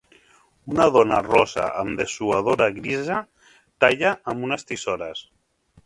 Una dona rossa amb dessuadora grisa talla amb unes tisores.